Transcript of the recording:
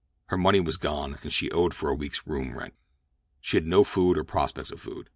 Her money was gone, and she owed for a week's room rent. She had no food or prospects of food.